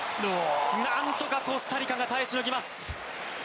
なんとかコスタリカが耐えしのぎます。